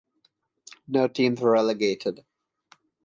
No teams were relegated.